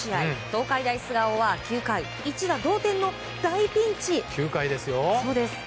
東海大菅生は９回一打同点の大ピンチ。